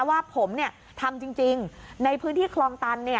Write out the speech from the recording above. ว่าผมทำจริงในพื้นที่คลองตัน